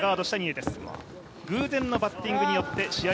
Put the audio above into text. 偶然のバッティングによって試合